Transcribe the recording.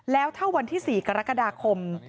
แล้วถ้าวันที่๔กรกฎาคม